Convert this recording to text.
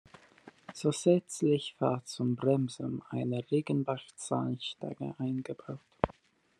Zusätzlich war zum Bremsen eine Riggenbach-Zahnstange eingebaut.